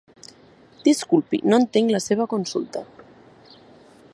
Disculpi no entenc la seva consulta.